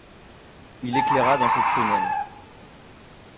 Il éclaira dans cette prunelle.